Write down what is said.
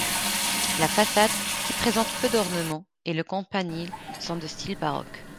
La façade, qui présente peu d'ornements, et le campanile sont de style baroque.